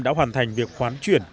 đã hoàn thành việc khoán chuyển